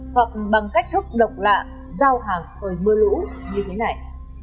hoặc bằng cách thức độc lạ giao hàng hồi mưa lũ như thế này